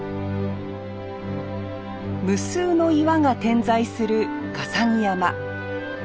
無数の岩が点在する笠置山。